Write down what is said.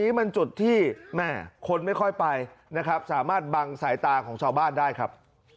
นี่มันจุดที่คนไม่ค่อยไปสามารถบังสายตาของชาวบ้านได้ครับ